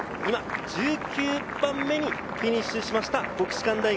１９番目にフィニッシュしました国士舘大学。